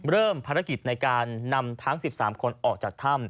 เริ่มภารกิจในการนำทั้ง๑๓คนออกจากถ้ำ